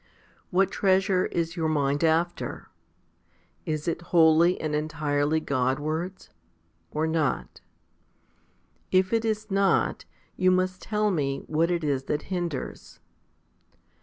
1 19. What treasure is your mind after? Is it wholly and entirely Godwards, or not? If it is not, you must tell me what it is that hinders.